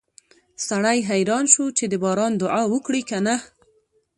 سړی حیران شو چې د باران دعا وکړي که نه